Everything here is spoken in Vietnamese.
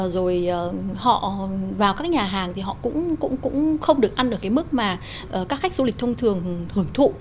rồi họ vào các cái nhà hàng thì họ cũng không được ăn ở cái mức mà các khách du lịch thông thường hưởng thụ